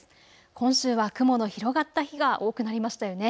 今週は雲の広がった日が多くなりましたよね。